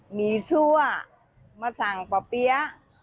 มีชั่วมาสั่งป่อเปี๊ยะ